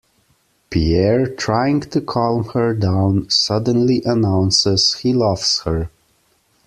Pierre, trying to calm her down, suddenly announces he loves her.